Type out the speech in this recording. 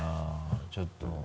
ちょっと。